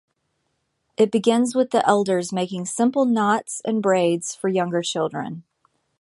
It begins with the elders making simple knots and braids for younger children.